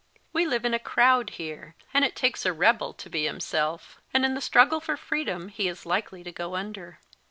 We live in a crowd here, and it takes a rebel to be himself ; and in the struggle for freedom he is likely to go under.